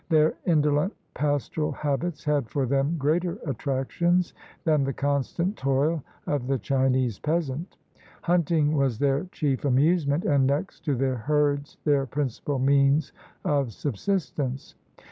Their indolent, pastoral habits had for them greater attractions than the constant toil of the Chinese peas ant. Hunting was their chief amusement, and next to their herds, their principal means of subsistence.